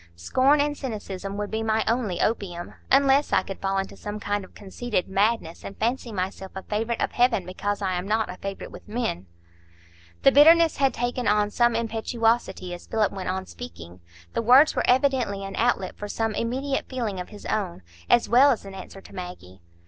Scorn and cynicism would be my only opium; unless I could fall into some kind of conceited madness, and fancy myself a favourite of Heaven because I am not a favourite with men." The bitterness had taken on some impetuosity as Philip went on speaking; the words were evidently an outlet for some immediate feeling of his own, as well as an answer to Maggie.